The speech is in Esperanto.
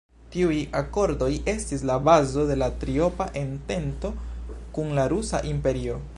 Tiuj akordoj estis la bazo de la "Triopa Entento" kun la Rusa Imperio.